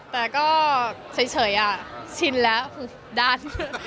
แต่ก็เฉยอะชินแล้วด้าน